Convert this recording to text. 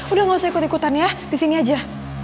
udah gak usah ikut ikutan ya disini aja